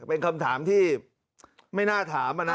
เป็นคำถามที่ไม่น่าถามนะ